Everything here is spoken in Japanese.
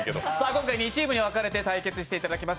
今回、２チームに分かれて対決していただきます。